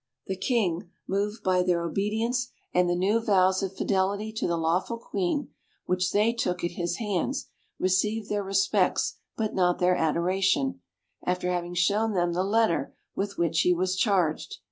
The King, moved by their obedience and the new vows of fidelity to the lawful Queen, which they took at his hands, received their respects but not their adoration, after having shown them the letter with which he was charged.